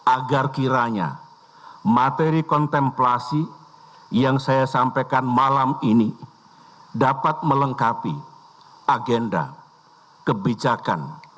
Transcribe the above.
agar kiranya materi kontemplasi yang saya sampaikan malam ini dapat melengkapi agenda kebijakan